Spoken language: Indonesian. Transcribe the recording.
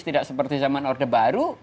tidak seperti zaman orde baru